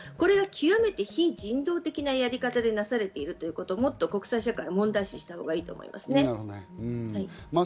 極めて非人道的なやり方でなされてるっていうことをもっと国際社会は問題視したほうがいいと思います。